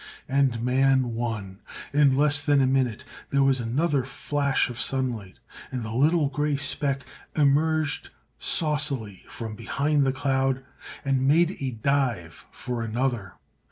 And man won. In less than a minute there was another flash of sunlight and the little gray speck emerged saucily from behind the cloud and made a dive for another.